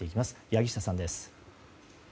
柳下さんです。